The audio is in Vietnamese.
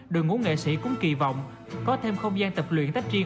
đội ngũ nghệ sĩ cũng kỳ vọng có thêm không gian tập luyện tách riêng